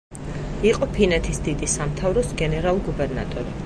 იყო ფინეთის დიდი სამთავროს გენერალ-გუბერნატორი.